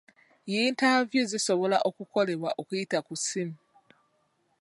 Yintaviyu zisobola okukolebwa okuyita ku ssimu.